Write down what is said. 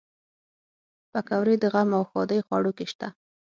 پکورې د غم او ښادۍ خوړو کې شته